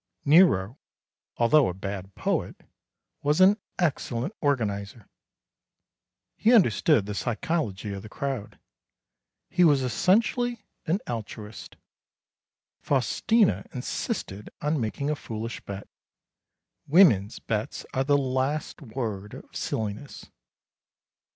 Nero, although a bad poet, was an excellent organiser. He understood the psychology of the crowd. He was essentially an altruist. Faustina insisted on making a foolish bet. Women's bets are the last word of silliness.